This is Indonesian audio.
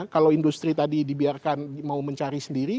kalau industri tadi dibiarkan mau mencari sendiri